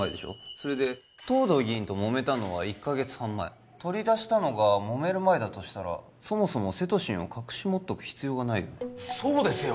それで藤堂議員ともめたのは１カ月半前取り出したのがもめる前だとしたらそもそもセトシンを隠し持っとく必要がないそうですよ